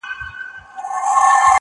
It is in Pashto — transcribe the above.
اوس د سیالانو په ټولۍ کي مي ښاغلی یمه!.